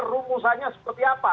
rumusannya seperti apa